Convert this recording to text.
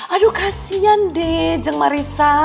aduh kasian deh jeng marissa